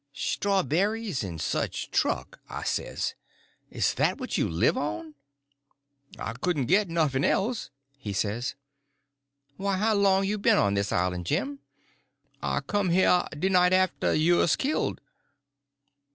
"Strawberries and such truck," I says. "Is that what you live on?" "I couldn' git nuffn else," he says. "Why, how long you been on the island, Jim?" "I come heah de night arter you's killed."